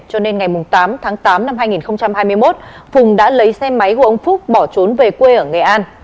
cho nên ngày tám tháng tám năm hai nghìn hai mươi một phùng đã lấy xe máy của ông phúc bỏ trốn về quê ở nghệ an